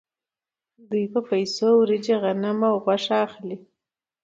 دوی په پیسو وریجې او غنم او غوښه اخلي